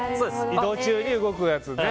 移動中に動くやつね。